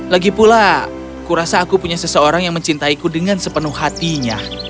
lagi pula kurasa aku punya seseorang yang mencintaiku dengan sepenuh hatinya